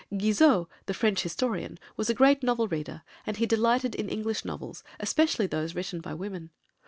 Guizot, the French historian, was a great novel reader, and he delighted in English novels, especially those written by women.